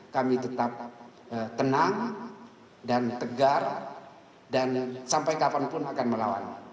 kami tetap tenang dan tegar dan sampai kapanpun akan melawan